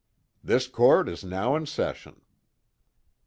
"This court is now in session."